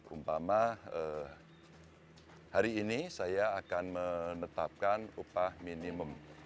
umpama hari ini saya akan menetapkan upah minimum